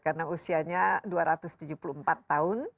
karena usianya dua ratus tujuh puluh empat tahun